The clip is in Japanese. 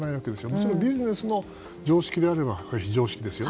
もちろん、ビジネスの常識であれば、非常識ですよ。